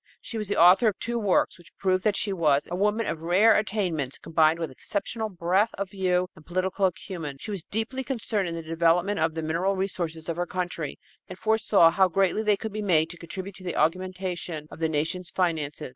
She was the author of two works which prove that she was a woman of rare attainments combined with exceptional breadth of view and political acumen. She was deeply concerned in the development of the mineral resources of her country and foresaw how greatly they could be made to contribute to the augmentation of the nation's finances.